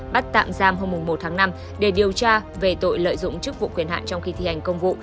bắt tạm giam hôm một tháng năm để điều tra về tội lợi dụng chức vụ quyền hạn trong khi thi hành công vụ